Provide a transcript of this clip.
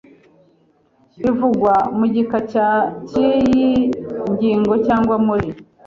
bivugwa mu gika cya cy iyi ngingo cyangwa muri